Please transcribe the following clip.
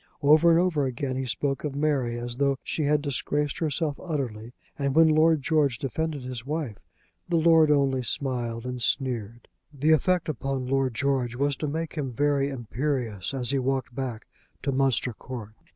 Over and over again he spoke of Mary as though she had disgraced herself utterly; and when Lord George defended his wife, the lord only smiled and sneered. The effect upon Lord George was to make him very imperious as he walked back to Munster Court.